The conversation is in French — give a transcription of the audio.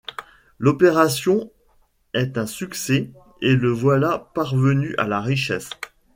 L'opération est un succès et le voilà parvenu à la richesse.